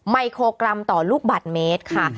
๕๗๕๑ไมโครกรัมต่อลูกบัตรเมตรค่ะ